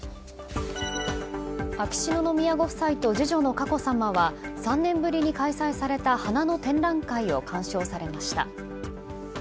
秋篠宮ご夫妻と次女の佳子さまは３年ぶりに開催された花の展覧会を鑑賞されました。